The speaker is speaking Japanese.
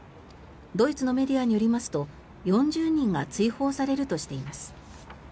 ドイツのメディアによりますと４０人が追放されるとしています。